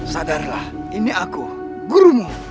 sadarlah ini aku gurumu